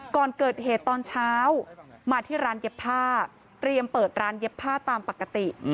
ก่อนเกิดเหตุตอนเช้ามาที่ร้านเย็บผ้าเตรียมเปิดร้านเย็บผ้าตามปกติ